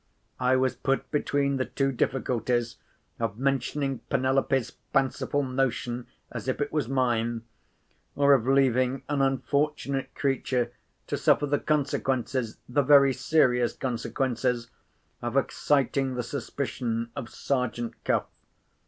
I was put between the two difficulties of mentioning Penelope's fanciful notion as if it was mine, or of leaving an unfortunate creature to suffer the consequences, the very serious consequences, of exciting the suspicion of Sergeant Cuff.